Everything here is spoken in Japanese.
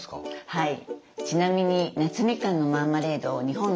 はい。